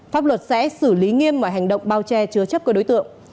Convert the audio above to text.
pháp luật sẽ xử lý nghiêm mọi hành động bao che chứa chấp các đối tượng